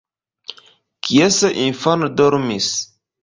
Kies infano dormis?